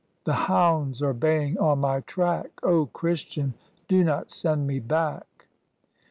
Si The hounds are baying on my track, O, Christian ! do not send me back